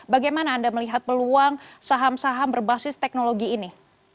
bagaimana anda melihat peluang saham saham berbasis teknologi ini